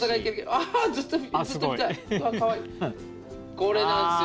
これなんすよ。